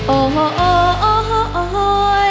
โอ้โฮโอ้โฮโอ้โฮ